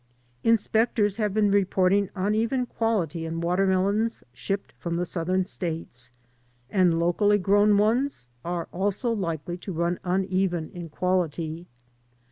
Inspectors have been reporting uneven quality in watermelons shipped from the Southern states. And locally grown ones arc also likely to run uneven in quality.